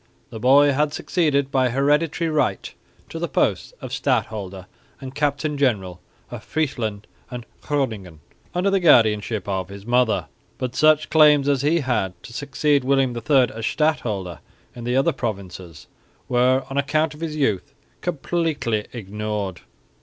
The boy had succeeded by hereditary right to the posts of stadholder and captain general of Friesland and Groningen under the guardianship of his mother, but such claims as he had to succeed William III as stadholder in the other provinces were, on account of his youth, completely ignored.